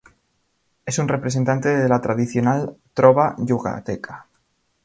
Es un representante de la tradicional trova yucateca.